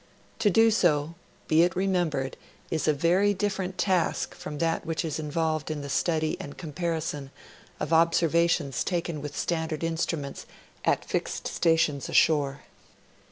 To do so, be it remembered, is a very different task from that which is involved in the study and comparison of ob servations taken with standard instruments at fixed stations ashore.